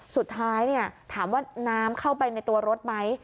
สุดท้ายถามว่าน้ำเข้าไปในตัวรถไหม